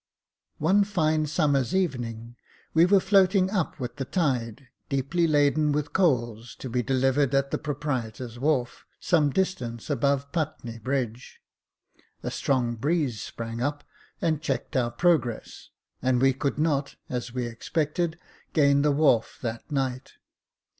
One fine summer's evening, we were floating up with the tide, deeply laden with coals, to be delivered at the pro prietor's wharf, some distance above Putney Bridge ; a strong breeze sprang up, and checked our progress, and we could not, as we expected, gain the wharf that night.